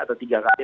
atau tiga kali